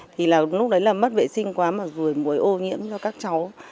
thì lúc đấy là mất vệ sinh quá mà rùi muối ô nhiễm cho các cháu